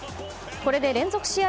これで連続試合